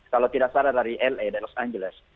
kalau tidak salah dari la dan los angeles